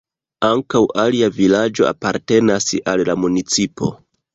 Ankaŭ alia vilaĝo apartenas al la municipo.